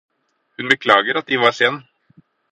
Hun beklaget at de var sen.